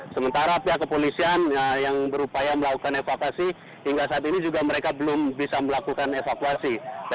sementara pihak kepolisian yang berupaya melakukan evakuasi hingga saat ini juga mereka belum bisa melakukan evakuasi